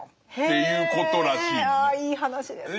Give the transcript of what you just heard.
ああいい話ですね。